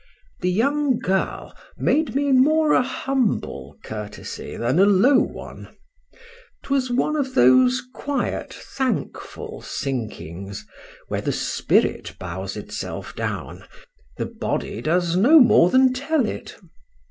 The young girl made me more a humble courtesy than a low one:—'twas one of those quiet, thankful sinkings, where the spirit bows itself down,—the body does no more than tell it.